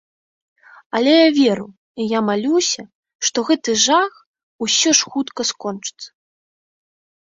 Але я веру і я малюся, што гэты жах усё ж хутка скончыцца.